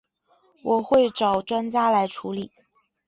我会找专家来处理